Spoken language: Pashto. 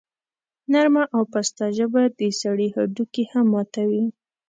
نرمه او پسته ژبه د سړي هډوکي هم ماتوي.